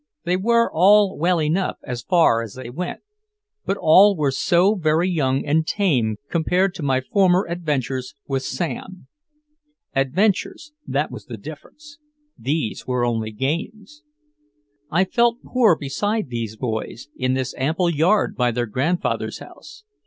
They were all well enough as far as they went, but all were so very young and tame compared to my former adventures with Sam. Adventures, that was the difference. These were only games. I felt poor beside these boys, in this ample yard by their grandfather's house.